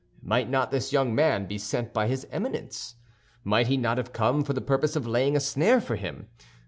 Might not this young man be sent by his Eminence? Might he not have come for the purpose of laying a snare for him?